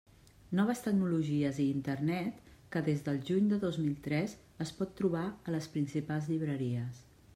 Noves tecnologies i Internet, que des del juny de dos mil tres es pot trobar a les principals llibreries.